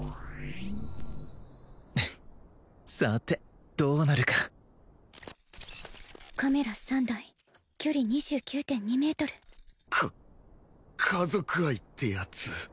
さてどうなるかカメラ３台距離２９．２メートルか家族愛ってやつ？